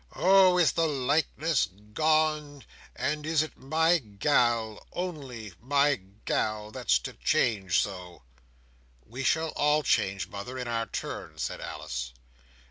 Oh! is the likeness gone, and is it my gal—only my gal—that's to change so!" "We shall all change, mother, in our turn," said Alice.